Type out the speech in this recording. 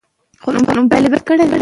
په بې سرپوښه ديګ کې هر څه لوېږي